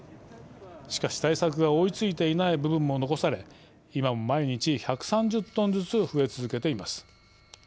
しかし、対策が追いついていない部分も残され今も毎日１３０トンずつ増え続けています。